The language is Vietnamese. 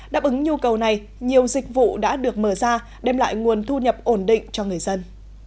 đáp ứng nhu cầu này nhiều dịch vụ đã được mở ra đem lại nguồn thu nhập ổn định cho người dân